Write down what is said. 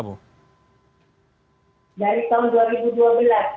dari tahun dua ribu dua belas